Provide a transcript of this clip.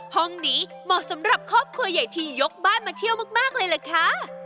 ห้องนี้เหมาะสำหรับครอบครัวใหญ่ที่ยกบ้านมาเที่ยวมากเลยล่ะค่ะ